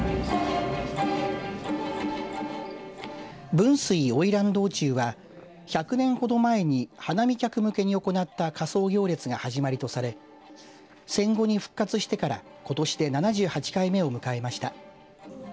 分水おいらん道中は１００年ほど前に花見客向けに行った仮装行列が始まりとされ戦後に復活してからことしで７８回目を迎えました。